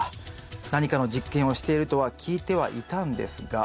何かの実験をしているとは聞いてはいたんですが。